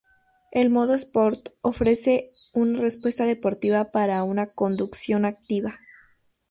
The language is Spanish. El modo "Sport" ofrece una respuesta deportiva para una conducción activa.